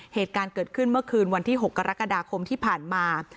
เหตุการณ์เกิดขึ้นเมื่อคืนวันที่๖กรกฎาคมที่ผ่านมา